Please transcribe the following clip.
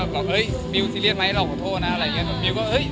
เคลียร์กันแล้วไม่มีอะไรเลย